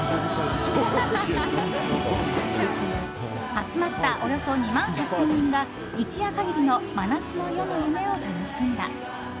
集まったおよそ２万８０００人が一夜限りの「真夏の夜の夢」を楽しんだ。